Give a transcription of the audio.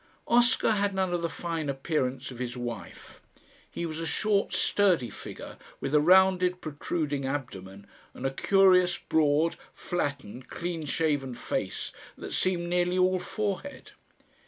Oscar had none of the fine appearance of his wife; he was a short sturdy figure with a rounded protruding abdomen and a curious broad, flattened, clean shaven face that seemed nearly all forehead.